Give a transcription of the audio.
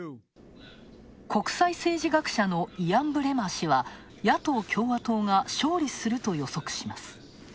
国際政治学者のイアン・ブレマー氏は野党・共和党が勝利すると予測します。